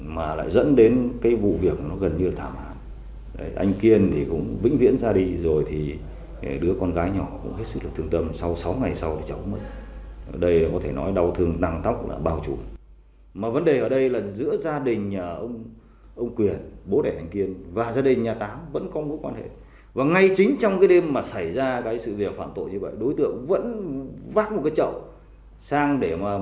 mà xảy ra cái sự việc phản tội như vậy đối tượng vẫn vác một cái chậu sang để mà cứu trưởng